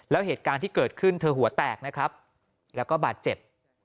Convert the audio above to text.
แล้วเหตุการณ์ที่เกิดขึ้นเธอหัวแตกนะครับแล้วก็บาดเจ็บ